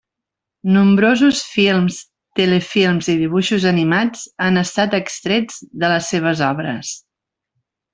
Nombrosos films, telefilms i dibuixos animats han estat extrets de les seves obres.